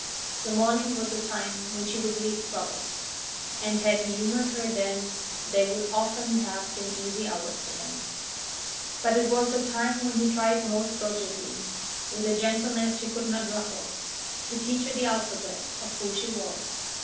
The morning was the time when she was least troubled, and had he humoured her then they would often have been easy hours for him. But it was the time when he tried most doggedly, with a gentleness she could not ruffle, to teach her the alphabet of who she was.